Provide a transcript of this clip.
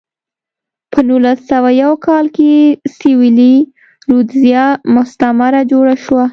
په نولس سوه یو کال کې سویلي رودزیا مستعمره جوړه شوه.